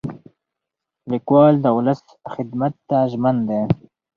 لیکوال د ولس خدمت ته ژمن دی.